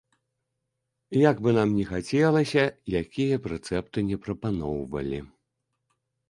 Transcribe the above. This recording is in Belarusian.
Як бы нам ні хацелася, якія б рэцэпты не прапаноўвалі.